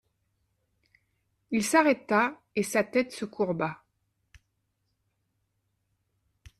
Il s'arrêta et sa tête se courba.